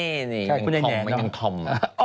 ไม่จริงคนนั้นทิ้ง